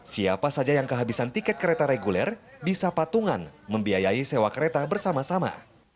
siapa saja yang kehabisan tiket kereta reguler bisa patungan membiayai sewa kereta bersama sama